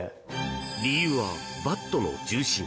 理由は、バットの重心。